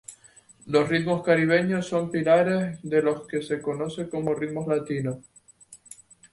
Los "ritmos caribeños" son pilares de lo que se conoce como "ritmos latinos".